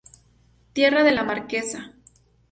Tierra de la Marquesa.